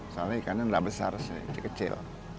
soalnya ikannya nggak besar sih kecil kecil